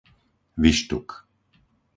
Vištuk